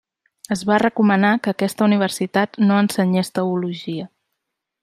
Es va recomanar que aquesta universitat no ensenyés teologia.